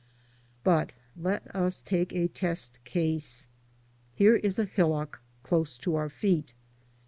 But let us take a test case. Here is a hillock close to our feet.